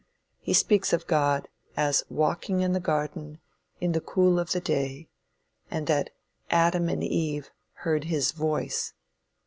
He speaks of God as "walking in the garden in the cool of the day;" and that Adam and Eve "heard his voice."